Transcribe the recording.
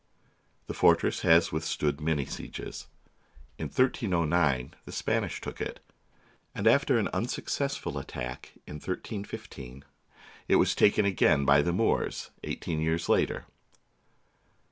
The fortress has withstood many sieges. In 1309 the Spanish took it; and, after an unsuccessful at tack in 1315, it was taken again by the Moors eighteen years later.